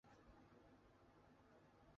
我又去哪里可以查阅到它呢？